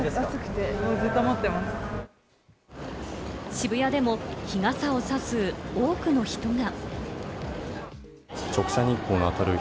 渋谷でも日傘をさす多くの人が。